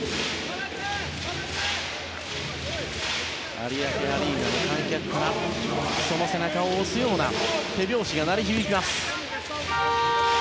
有明アリーナの観客からその背中を押すような手拍子が鳴り響きます。